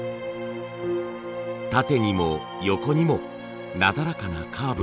縦にも横にもなだらかなカーブが。